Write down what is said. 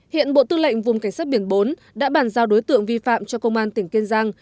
hiện bộ tư lệnh vùng cảnh sát biển bốn đã bàn giao đối tượng vi phạm cho công an tỉnh kiên giang